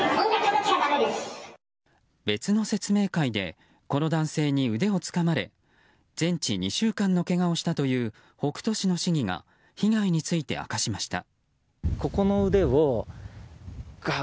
別の説明会でこの男性に腕をつかまれ全治２週間のけがをしたという北杜市の市議が被害について明かしました。